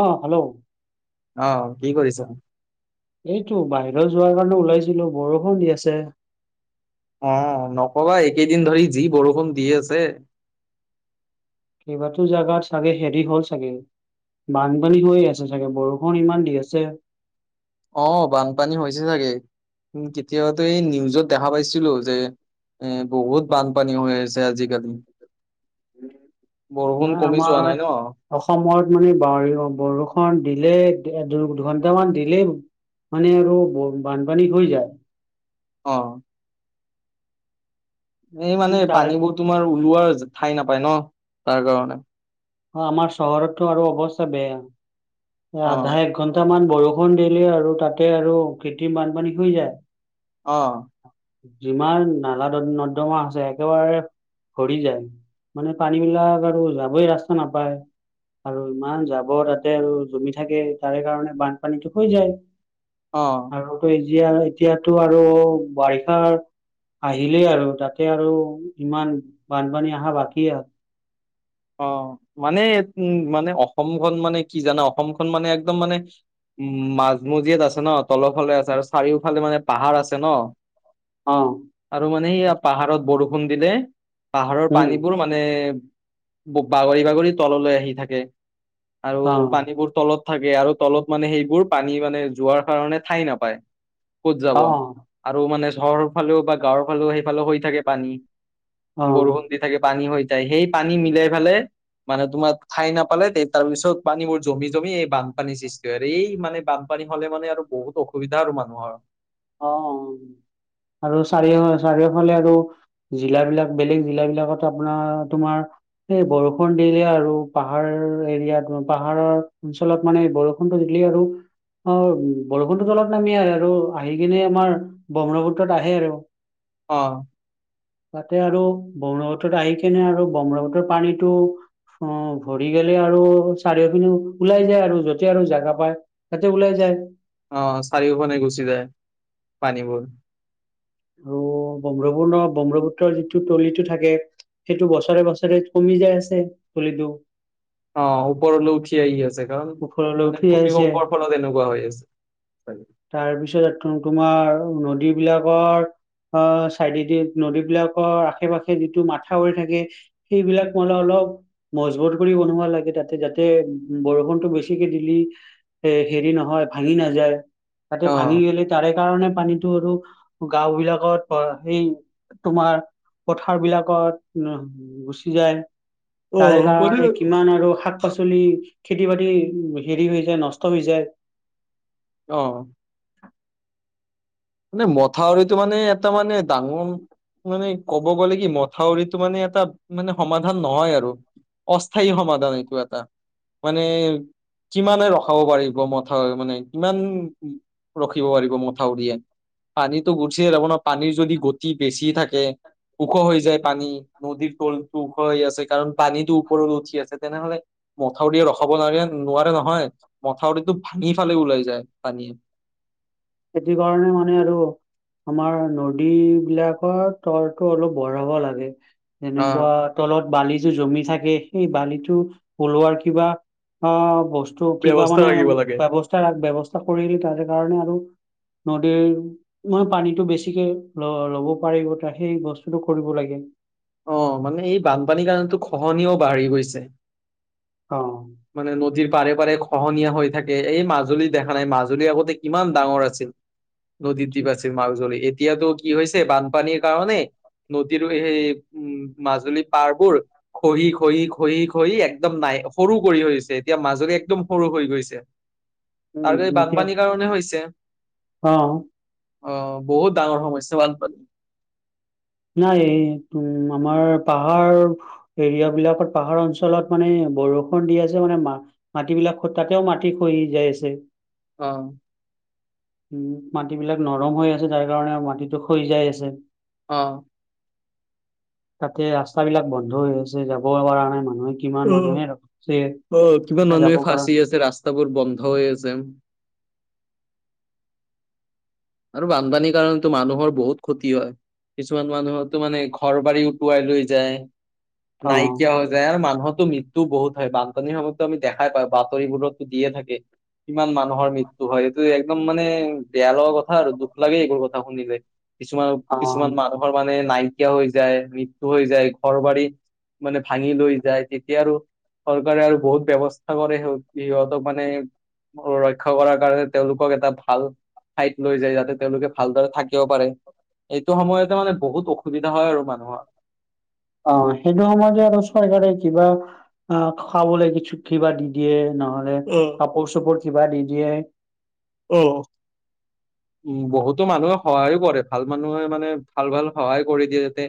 অ', hello. অ', কি কৰিছ। এইটো বাহিৰত যোৱাৰ কাৰণে ওলাইছিলো, বৰষুণ দি আছে। অ', নক'বা এইকেইদিন ধৰি যি বৰষুণ দি আছে। কেইবাতো জাগাত চাগে হেৰি হ'ল চাগে। বানপানী হৈ আছে চাগে, বৰষুণ ইমান দি আছে। অ', বানপানী হৈছে চাগে, উম কেতিয়াবাতো এই নিউজত দেখা পাইছিলো যে এ বহুত বানপানী হৈ আছে আজিকালি। বৰষুণ নাই কমি যোৱা আমাৰ নাই ন অসমত বুলি [unintelligible] বৰষুণ দিলে দু- দুঘন্টামান দিলেই মানে আৰু ব বানপানী হৈ যায়। অ'। এই মানে তাৰে পানীবোৰ তোমাৰ ওলোৱাৰ ঠাই নাপায় ন, তাৰ কাৰণে। অ', আমাৰ চহৰতটো আৰু অৱস্থা বেয়া, অ আধা এক ঘন টামান বৰষুণ দিলে আৰু তাতে আৰু কৃত্ৰিম বানপানী হৈ যায়। অ'। যিমান নালা ন-নৰ্দমা আছে, একেবাৰে ভৰি যায়। মানে পানীবিলাক আৰু যাবই ৰাস্তা নাপায়। আৰু ইমান জাবৰ তাতে আৰু জমি থাকে, তাৰে কাৰণে বানপানীটো হৈ যায়। অ'। আৰু টো এতিয়া এতিয়াতো আৰু বাৰিষা আহিলেই আৰু তাতে আৰু ইমান বানপানী আহা বাকী অ', মানে উম মানে অসমখন মানে কি জানা, অসমখন মানে একদম মানে উম, মাজমজিয়াত আছে ন তলৰফালে আছে, আৰু চাৰিওফালে মানে পাহাৰ আছে ন। অ'। আৰু মানে সেয়া তাত- পাহাৰত বৰষুণ দিলে, পাহাৰৰ উম পানীবোৰ মানে ব বাগৰি, বাগৰি তললৈ আহি থাকে, আৰু অ পানীবোৰ তলত থাকে আৰু তলত মানে সেইবোৰ পানী মানে যোৱাৰ কাৰণে ঠাই নাপায়, ক'ত যাব। অ আৰু মানে চহৰৰ ফালেও বা গাঁৱৰ ফালেও সেইফালেও হৈ থাকে পানী, বৰষুণ দি অ থাকে পানী হৈ যায়, সেই পানী মিলাই ফেলাই মানে তোমাৰ ঠাই নাপালে তে তাৰপিছত পানীবোৰ জমি, জমি এই বানপানীৰ সৃষ্টি হয়, আৰু এই মানে বান পানী হ'লে মানে আৰু বহুত অসুবিধা আৰু মানুহৰ। অ', অ', আৰু চাৰিও- চাৰিওফালে আৰু জিলাবলাক বেলেগ জিলাবিলাকত আপোনাৰ তোমাৰ এই বৰষুণ দিলে আৰু পাহাৰ এৰিয়াত পাহাৰৰ অঞ্চলত মানে বৰ ষুণটো দিলি আৰু অ', বৰষুণটো তলত নামি আহে আৰু আহি কিনে আমাৰ ব্ৰহ্মপুত্ৰত আহে আৰু। অ'। তাতে আৰু ব্ৰহ্মপুত্ৰত আহি কেনে আৰু ব্ৰহ্মপুত্ৰৰ পানীটো অ', ভৰি গ'লে আৰু চাৰিও পিনে ওলাই যায় আৰু য'ত এতিয়া আৰু জাগা পাই তাতে ওলাই যায়। অঁ' চাৰিওপানে গুচি যায় পানীবোৰ। আৰু ব্ৰহ্মপুৰ্ণ ব্ৰহ্মপুত্ৰৰ যিটো তলিটো থাকে- সেইটো বছৰে বছৰে কমি যায় আছে তলিটো। অ' ওপৰলৈ উঠি- ঠি আহি আছে কাৰণ ওপৰলৈ মানে উঠি আহিছে ভূমিকম্পৰ ফলত এনেকুৱা হৈ আছে। তাৰ পিছত এটো তোমাৰ নদী বিলাকৰ- অঁ' চাইডেদি নদীবলাকৰ আশে পাশে যিটো মাথাউৰি থাকে- সেইবিলাক মলে অলপ মজবুত কৰি বনোৱা লাগে তাতে যাতে বৰষুণ- টো বেছিকে দিলি এ' হেৰি নহয় ভাঙি নাযায়। তাতে অ ভাঙি গেলে তাৰে কাৰণে পানীটো আৰু- গাওঁ বিলাকত অ সেই তোমাৰ পথাৰ বিলাকত উম- গুচি যায়। অ তাৰে মানে কাৰণে কিমান আৰু শাক পাচলি খেতি- তি বাতি উ হেৰি হৈ যায় নষ্ট হৈ যায়। অঁ' মানে মথাউৰিটো মানে এটা মানে ডাঙৰ- মানে ক'ব গ'লে কি মথাউৰিটো মানে এটাত মানে সমাধান নহয় আৰু। অস্থায়ী সমাধান এইটো এটা। মানে- কিমানে ৰখাব পাৰিব মথাউৰি মানে কিমান পাৰিব মথাউৰিয়ে? পানীটো গুচিয়ে যাব ন, পানীৰ যদি গতি বেছি থাকে ওখ হৈ যায় পানী- নদীৰ তলটো ওখ হৈ আছে কাৰণ পানীটো ওপৰলৈ উঠি আছে, তেনেহলে- মথাউৰিয়ে ৰখাব নোৱাৰে নোৱাৰে নহয় মথাউৰিটো ভাঙি ফালে ওলাই যায় পানীয়ে। খেতি কাৰণে মানে আৰু- আমাৰ নদী বিলাকৰ তলটো অলপ বঢ়াব লাগে। আহ এনেকুৱা- তলত বালিটো জমি থাকে সেই বালি টো ওলোৱাৰ কিবা অঁ' বস্তু- টো কিবা ব্যৱস্থা মানে থাকিব লাগে। ব্যৱস্থা ব্যৱস্থা কৰিল তাৰে কাৰণে আৰু- নদীৰ মই পানীটো বেছিকে ল ল'ব পাৰিব তাকে সেই বস্তুটো কৰিব লাগে। অঁ' মানে এই বানপানী কাৰণেটো খহনিও বাঢ়ি গৈছে। অঁ' মানে নদীৰ পাৰে পাৰে খহনীয়া হৈ থাকে এই মাজুলী দেখা নাই মাজুলী আগতে কিমান ডাঙৰ আছিল। নদীৰ দ্বীপ ঠিক। আছিল। মজুলী এতিয়াতো কি হৈছে বানপানীৰ কাৰণে নদীৰো এই- মাজুলী পাৰবোৰ- খহি খহি খহি খহি একদম নাই সৰু কৰি হৈছে এতিয়া মাজতে একদম সৰু গৈছে। [inaudible] উম এতিয়া- বানপানীৰ কাৰণে হৈছে। অঁ' অঁ বহুত ডাঙৰ সমস্যা বানপানী। নাই এই উম আমাৰ পাহাৰ- এৰিয়া বিলাকত পাহাৰ অঞ্চলত মানে বৰষুণ দি আছে মানে মা- মাটিবিলাকত তাতেও মাটি খহি যাই আছে। অঁ। উম' মাটি বিলাক নৰম হৈ আছে তাৰ কাৰণে মাটিটো খহি যাই আছে। অঁ। তাতে ৰাস্তাবিলাক বন্ধ হৈ আছে যাব পৰা নাই মানুহ অ অ কিমান তাতে যাব মানুহে পৰা ফাচি আছে, ৰাস্তাবোৰ বন্ধ হৈ আছে। আৰু বানপানীৰ কাৰণটো মানুহৰ বহুত ক্ষতি হয়। কিছুমান মানুহোটো মানে ঘৰ বাৰী উটুৱাই লৈ যায়। অ নাইকিয়া হৈ যায় আৰু মানুহতো মৃত্ টো বহুত হয় বানপানীৰ সময়তো আম দেখাই পাওঁ, বাতৰিবোৰতো দিয়ে থাকে। কিমান মানুহৰ মৃত্যু হয়, এইটো একদম মানে বেয়া লগা কথা। হয় দুখ লাগে এইবোৰ কথা শুনিলে, কিছুমান কিছুমান অ মানুহ ঘৰ মানে নাইকিয়া হৈ যায় মৃত্যু হৈ যায় ঘৰ বাৰী মানে ভাঙি লৈ যায় তেতিয়া আৰু চৰকাৰে আৰু বহুত ব্যৱস্থা কৰে সি সিহঁতক মানে ৰক্ষা কৰাৰ কাৰণে তেওঁলোকক এটা ভাল ঠাইত লৈ যায় যাতে তেওঁলোকে ভালদৰে থাকিব পাৰে। এইটো সময়তে মানে বহুত অসুবিধা হয় আৰু মানুহৰ। অ সেইটো সময় যে আৰু চৰকাৰে কিবা আহ খাবলৈ কিছু কিবা দি দিয়ে নহলে অ', কাপোৰ চাপোৰ কিবা দি দিয়ে। অ। উ বহুতো মানুহে সহায়ো কৰে ভাল মানুহে মানে ভাল ভাল সহায় কৰি দিয়ে যাতে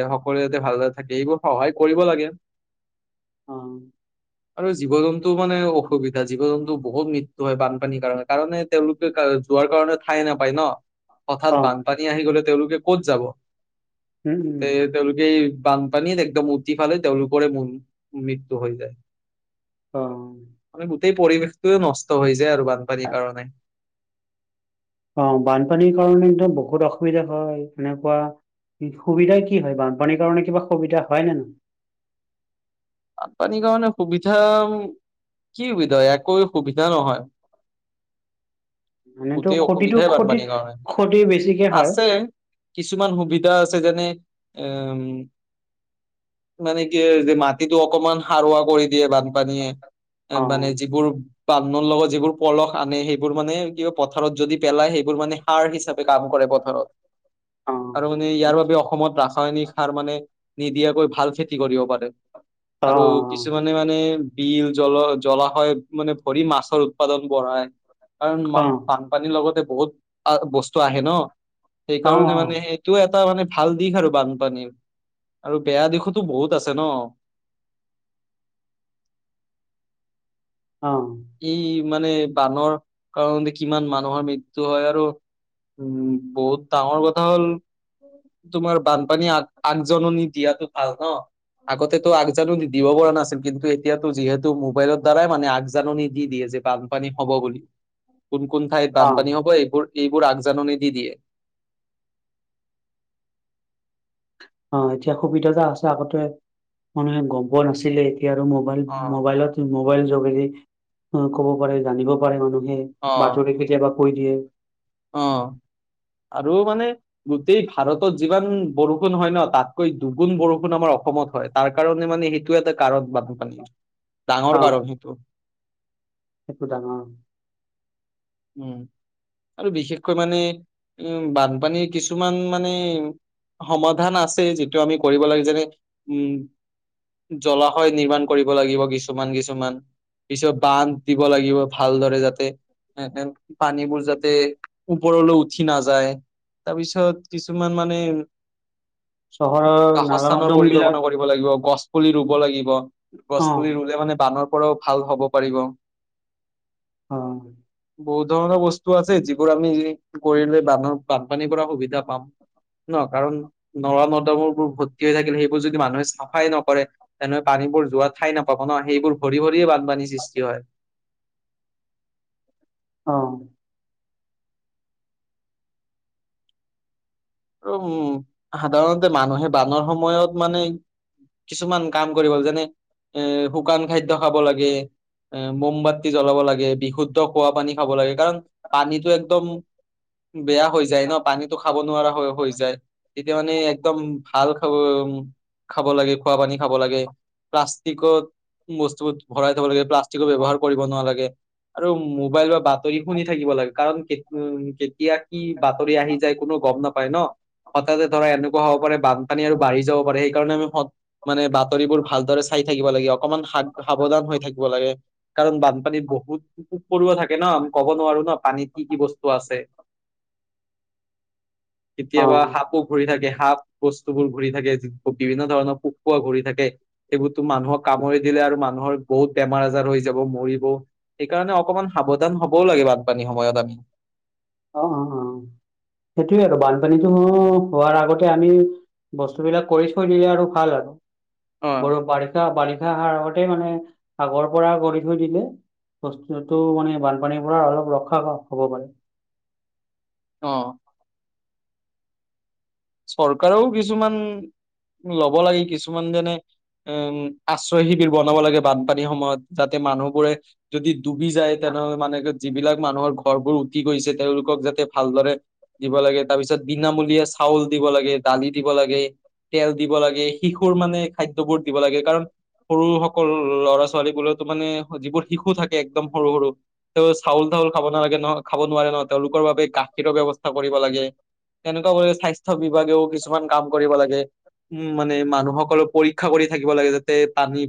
এ সকলোৱে যাতে ভালদৰে থাকে এইবোৰ কৰিব লাগে। অ আৰু জীৱ জন্তু মানে অসুবিধা জীৱ জন্তু বহুত মৃত্যু হয় বানপানীৰ কাৰণে। কাৰণে তেওঁলোকে যোৱাৰ কাৰণে ঠাই নাপায় ন অ হঠাৎ বান্ধ পানী আহি গলে তেওঁলোকে ক'ত যাব, উম উম তে তেওঁলোকে এই বানপানীত একদম উতি ফেলাই তেওঁলোকৰে ম মৃত্যু হৈ যায়। অ। মানে গোটেই পৰিৱেশটোয়ে নষ্ট হৈ যায় আৰু বানপানীৰ কাৰণে। অ বানপানীৰ কাৰণে একদম বহুত অসুবিধা হয় এনেকুৱা। সুবিধাই কি হয় বানপানীৰ কাৰণে কিবা সুবিধা হয় নে নহয়? বানপানীৰ কাৰণে সুবিধা কি সুবিধা হয় একোৱে সুবিধা নহয়। নহয় এনেতো গোটেই ক্ষতিটো অসুবিধাই ক্ষতি বানপানীৰ কাৰণে। ক্ষতি বেছিকে হয় আছে কিছুমান সুবিধা আছে যেনে উম মানে কি যে মা খেতিটো অকমান সাৰুৱা কৰি দিয়ে বানপানীয়ে এ অ মানে যিবোৰ [unintelligible] লগত যিবোৰ পলস আনে সেইবোৰ মানে কি পথাৰত যদি পেলাই সেইবোৰ মানে সাৰ হিচাপে কাম কৰে পথাৰত। [unintelligible] অ আৰু মানে ইয়াৰ বাবে অসমত ৰাসায়নিক সাৰ মানে নিদিয়াকৈ ভাল খেতি কৰিব পাৰে। অ অ আৰু কিছুমানে মানে বিল জ্বল জলাসয় মানে ভৰি মাছৰ উৎপাদন বঢ়ায়। কাৰণ অ [unintelligible] পানীৰ লগতে বহুত বস্তু আহে ন অ সেইকাৰণে মানে সেই এইটো এটা মানে ভাল দিশ আৰু বানপানীৰ, আৰু বেয়া দিশতো বহুত আছে ন। অ। ই মানে বানৰ কৰণে কিমান মানুহৰ মৃত্যু হয় আৰু উম বহুত ডাঙৰ কথা হ'ল তোমাৰ বানপানী আগ আগজাননী, দিয়াতটো ভাল ন'? আগতেটো আগজাননি দিব পৰা নাছিল, কিন্তু এতিয়াতো, যিহেতু মোবাইলৰ দ্বাৰাই মানে আগ জাননী দি দিয়ে যে, বানপানী হব বুলি। কোন কোন ঠাইত অ বানপানী হব এইবোৰ এইবোৰ আগজাননী দি দিয়ে। অ ', এতিয়া সুবিধা এটা আছে আগতে, মানুহে গম পোৱা নাছিলে, এতিয়া আৰু মোক অ মবাইল-মোবাইলত, মোবাইল যোগেদি ক'ব পাৰে, জানিব পাৰে, মানুহে। অ বাতৰি কেতিয়াবা কৈ দিয়ে। অ', আৰু মানে গোটেই ভাৰতত যিমান বৰষুণ হয় ন', তাতকৈ দুগুণ বৰষুণ, আমাৰ অসমত হয়। তাৰ কাৰণে মানে, সেইটো এটা কাৰণ বানপানীৰ, অ ডাঙৰ কাৰণ সেইটো। সেইটো ডাঙৰ। উম, আৰু বিশেষকৈ মানে, উম, বানপানীৰ কিছুমান মানে সমাধান আছে, যিটো আমি কৰিব লাগে যেনে, উম জলাশয় নিৰ্মাণ কৰিব লাগিব, কিছুমান-কিছুমান। পিছত বান্ধ দিব লাগিব, ভালদৰে যাতে [unintelligible] পানীবোৰ যাতে, ওপৰলৈ উঠি নাযায়। তাৰপিছত কিছুমান মানে, চহৰৰ নালা বাসস্থানৰ নৰ্দম বিলাক পৰিকল্পনা কৰিব ৰুব লাগিব, গছ পুলি ৰুব লাগিব। গছ অ পুলি ৰুলে মানে, বানৰ পৰাও ভাল হ'ব পাৰিব। অ'। বহুত ধৰণৰ বস্তু আছে, যিবোৰ আমি কৰিলে বানৰ, বানপানী পৰা সুবিধা পাম। ন', কাৰণ, নৰ নৰ্দমা বোৰ ভৰ্তি হৈ থাকিলে, সেইবোৰ যদি মানুহে চাফাই নকৰে তেনে পানীবোৰ যোৱা ঠাই নাপাব ন', সেইবোৰ ভৰি-ভৰিয়ে বানপানী সৃষ্টি হয়। অ'। আৰু উম, সাধাৰণতে মানুহে বানৰ সময়ত মানে কিছুমান কাম কৰিব যেনে, এ শুকান খাদ্য খাব লাগে। এ মোমবাত্তি জ্বলাব লাগে, বিশুদ্ধ খোৱা পানী খাব লাগে। কাৰণ, পানীটো একদম বেয়া হৈ যায় ন', পানীতো খাব নোৱাৰা হৈ-হৈ যায়। তেতিয়া মানে একদম, ভাল খাব উ খাব লাগে, খোৱা পানী খাব লাগে। প্লাষ্টিকত বস্তু [unintelligible] ভৰাই থব লাগে, প্লাষ্টিকো ব্যৱহাৰ কৰিব নালাগে। আৰু মোবাইল বা বাতৰি শুনি থাকিব লাগে। কাৰণ, কে, উ, কেতিয়া, কি বাতৰি আহি যায় কোনো গম নাপ নাপায় ন', হঠাতে ধৰা এনেকুৱা হব পাৰে, বানপানী আৰু বাঢ়ি যাব পাৰে, সেইকাৰণে আমি মানে বাতৰিবোৰ ভালদৰে চাই থাকিব লাগে, অকমান, স-সাৱধান হৈ থাকিব লাগে। কাৰণ বানপানীত বহুত, পুক পৰুৱা থাকে ন', আমি ক'ব নোৱাৰো ন' পানীত কি কি বস্তু আছে। অ কেতিয়াবা সাপো ঘূৰি থাকে, সাপ বস্তুবোৰ ঘূৰি থাকে, য বিভিন্ন ধৰণৰ পোক পৰুৱা ঘূৰি থাকে। সেইবোৰতো মানুহক কামুৰি দিলে আৰু, মানুহৰ বহুত বেমাৰ আজাৰ হৈ যাব, মৰিব সেইকাৰণে অকমান সাৱধান হবও লাগে, বানপানী সময়ত আমি। অ', অ', অ', সেইটোয়ে আৰু বানপানীতো, হোৱাৰ আগতে আমি বস্তু বিলাক কৰি থৈ দিলে আৰু ভাল আৰু, অ বৰ বাৰিষা-বাৰিষা আহাৰ আগতে মানে, আগৰ পৰা কৰি থৈ দিলে বস্তুটো, মানে বানপানীৰ পৰা অলপ ৰক্ষা হ'ব পাৰে। অ'। চৰকাৰেও কিছুমান লব লাগে, কিছুমান যেনে উম, আশ্ৰয় শিবিৰ বনাব লাগে বানপানীৰ সময়ত, যাতে মানুহবোৰে যদি ডুবি যায়, তেনেহ'লে মানে, যিবিলাক মানুহৰ ঘৰবোৰ উতি গৈছে, তেওঁলোকক যাতে ভালদৰে দিব লাগে। তাৰ পিছত, বিনামূলীয়া চাউল দিব লাগে, দালি দিব লাগে। তেল দিব লাগে। শিশুৰ মানে, খাদ্যবোৰ দিব লাগে। কাৰণ সৰু সকল, ল'ৰা ছোৱালীবোৰক মানে, যিবোৰ শিশু থাকে, একদম সৰু-সৰু তেওঁ চাউল টাউল খাব নালাগে নহ খাব নোৱাৰে ন', তেওঁলোকৰ বাবে গাখীৰৰ ব্যৱস্থা কৰিব লাগে। তেনেকুৱা কৰি স্বাস্থ্য বিভাগেও কিছুমান কাম কৰিব লাগে। উম, মানে মানুহসকলৰ ৰক্ষা কৰি থাকিব লাগে, যাতে পানী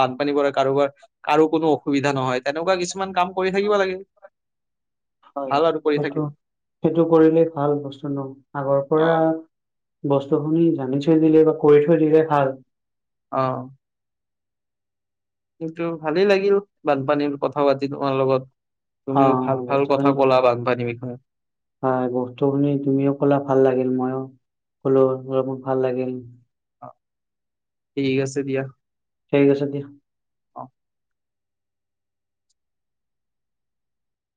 বানপানী পৰা কাৰোবাৰ, কাৰো কোনো অসুবিধা নহয়, তেনেকুৱা কিছুমান কাম কৰি থাকিব লাগে। হয়, ভাল আৰু কৰি থাকিব সেইটো, সেইটো কৰিলেই ভাল বস্তু ন' আগৰ অ পৰা বস্তুখিনি জানি থৈ দিলে, বা কৰি থৈ দিলে ভাল। অ'। কিন্তু, ভালেই লাগিল বানপানীৰ কথা পাতি তোমাৰ লগত। অ তুমিও ভাল, ভাল কথা বস্তুখিনি ক'লা বানপানী বিষয়ে। হয়, বস্তুখিনি তুমিও ক'লা ভাল লাগিল মইও। হ'লও মোৰো বহুত ভাল লাগিল। অ', ঠিক আছে দিয়া। ঠিক আছে দিয়া। অ'।